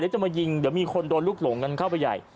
จะมายิงเดี๋ยวมีคนโดนลูกหลงกันเข้าไปใหญ่